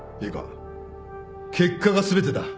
結果が全てだ。